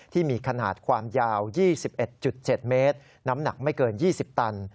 ที่มีขนาดความยาว๒๑๗เมตรน้ำหนักไม่เกิน๒๐ตัน